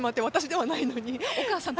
私ではないのに。